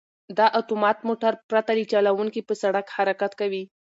دا اتومات موټر پرته له چلوونکي په سړک حرکت کوي.